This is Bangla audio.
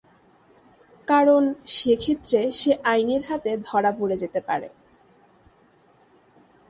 কারণ, সেক্ষেত্রে সে আইনের হাতে ধরা পড়ে যেতে পারে।